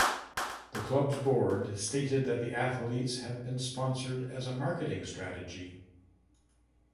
The club's board stated that the athletes had been sponsored as a marketing strategy.